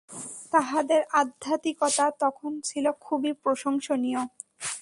তাঁহাদের আধ্যাত্মিকতা তখন ছিল খুবই প্রশংসনীয়।